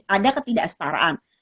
ada ketidak setaraan